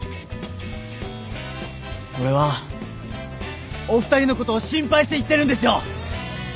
俺はお二人のことを心配して言ってるんですよ！